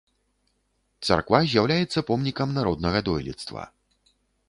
Царква з'яўляецца помнікам народнага дойлідства.